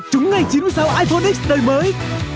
chúng ngày chín mươi sáu iphone x đời mới